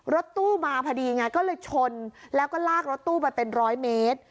รถตู้มาพอดีไงก็เลยชนแล้วก็ลากรถตู้ไปเป็นร้อยเมตร